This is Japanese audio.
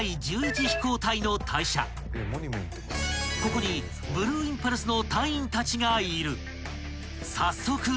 ［ここにブルーインパルスの隊員たちがいる］